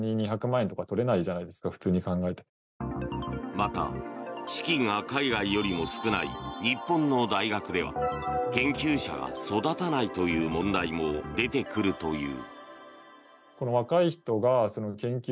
また、資金が海外よりも少ない日本の大学では研究者が育たないという問題も出てくるという。